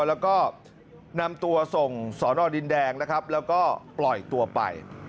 แล้วก็นำตัวส่งสอนอดินแดงนะครับแล้วก็ปล่อยตัวไป